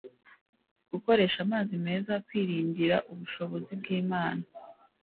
gukoresha amazi meza kwiringira ubushobozi bwImana